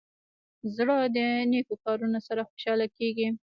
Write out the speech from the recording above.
زړه د نیکو کارونو سره خوشحاله کېږي.